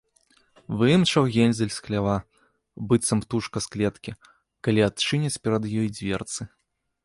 Выімчаў Гензель з хлява, быццам птушка з клеткі, калі адчыняць перад ёй дзверцы